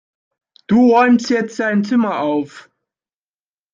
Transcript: Du räumst jetzt dein Zimmer auf!